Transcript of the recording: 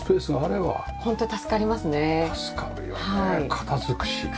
片付くし。